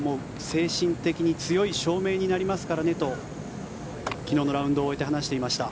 精神的に強い証明になりますからねと昨日のラウンドを終えて話していました。